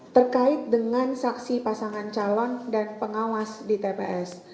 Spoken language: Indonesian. terkait dengan saksi pasangan calon dan pengawas di tps